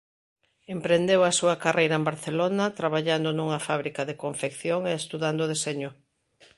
Emprendeu a súa carreira en Barcelona traballando nunha fábrica de confección e estudando deseño.